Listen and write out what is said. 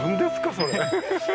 それ。